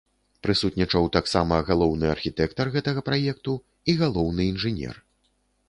Прысутнічаў таксама галоўны архітэктар гэтага праекту і галоўны інжынер.